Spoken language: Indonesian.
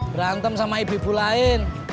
berantem sama ibu ibu lain